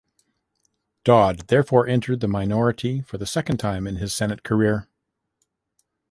Dodd therefore entered the minority for the second time in his Senate career.